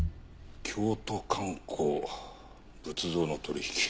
京都観光仏像の取引。